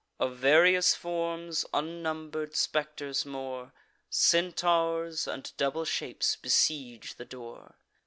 Of various forms unnumber'd spectres more, Centaurs, and double shapes, besiege the door.